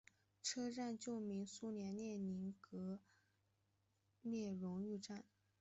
车站旧名苏联列宁格勒荣誉站。